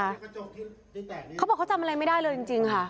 เขาบอกว่าเขาจำอะไรไม่ได้เลยจริงค่ะ